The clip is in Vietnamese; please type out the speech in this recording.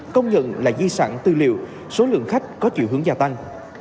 công nhận là di sản tư liệu số lượng khách có chiều hướng gia tăng